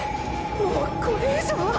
もうこれ以上は！！